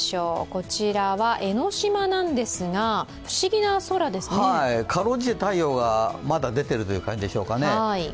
こちらは江の島なんですが辛うじて太陽がまだ出てるという感じでしょうかね。